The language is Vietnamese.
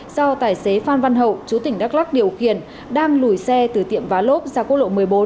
do tài xế phan văn hậu chú tỉnh đắk lắc điều khiển đang lùi xe từ tiệm vá lốp ra quốc lộ một mươi bốn